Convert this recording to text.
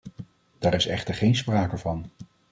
Daar is echter geen sprake van.